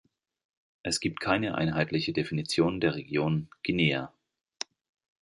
Es gibt keine einheitliche Definition der Region Guinea.